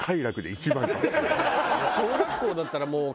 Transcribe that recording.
小学校だったらもう。